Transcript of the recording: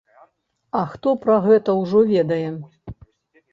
А хто пра гэта ўжо ведае?